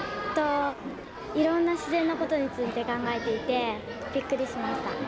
いろんな自然のことについて考えていてびっくりしました。